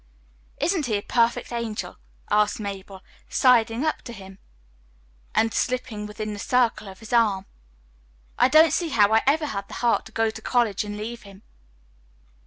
"Isn't he a perfect angel?" asked Mabel, sidling up to him and slipping within the circle of his arm. "I don't see how I ever had the heart to go to college and leave him."